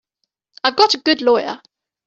I've got a good lawyer.